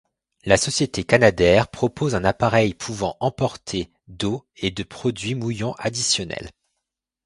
La société Canadair propose un appareil pouvant emporter d'eau et de produit mouillant additionnel.